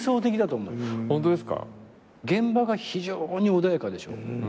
現場が非常に穏やかでしょ？